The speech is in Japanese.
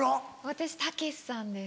私たけしさんです。